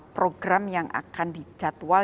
program yang akan dijadwal